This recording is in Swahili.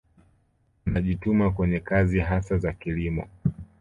Wanajituma kwenye kazi hasa za kilimo